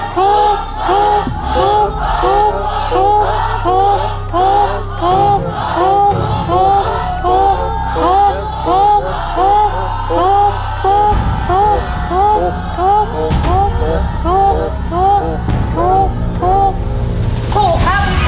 ถูกครับ